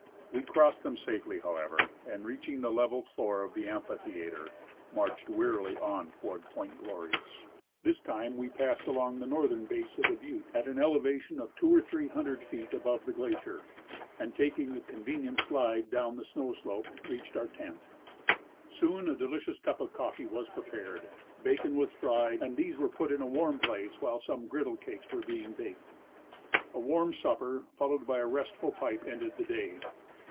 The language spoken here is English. We crossed them safely, however, and, reach ing the level floor of the amphitheatre, marched wearily on to ward Point Glorious. This time we passed along the northern base of the butte at an elevation of two or three hundred feet 20— Nat. Geog. Mag., vol. Ill, 1891. 142 I. C. PiMsseU— Expedition to Mount St. Elias. above the glacier, and, taking a convenient slide down the snow slope, reached our tent. Soon a delicious cup of coftee Avas prepared, bacon was fried, and these were put in a warm place while aome griddle cakes were being baked. A warm supper, followed by a restful pipe, ended the day.